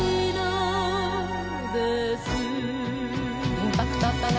インパクトあったな